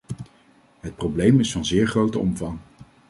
Het probleem is van zeer grote omvang.